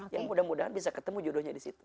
yang mudah mudahan bisa ketemu jodohnya di situ